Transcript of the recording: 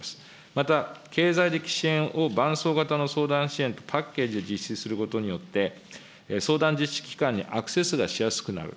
また経済的支援を伴走型の相談支援とパッケージで実施することによって、相談実施機関にアクセスがしやすくなる。